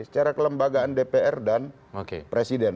secara kelembagaan dpr dan presiden